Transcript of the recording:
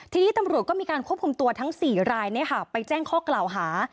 ทีนี้ตำรวจก็มีการควบคุมตัวทั้ง๔รายไปแจ้งข้อกล่าวหา